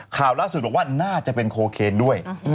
ข่าวล่าสุดบอกว่าน่าจะเป็นโคเคนด้วย